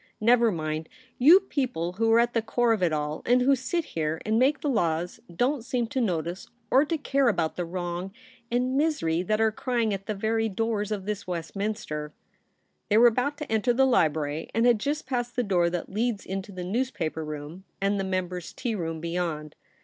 * Never mind. You people who are at the core of it all, and who sit here and make the laws, don't seem to notice or to care about VOL. T. 6 82 THE REBEL ROSE. the wrong and misery that are crying at the very doors of this Westminster/ They were about to enter the library, and had just passed the door that leads Into the newspaper room and the members' tea room beyond.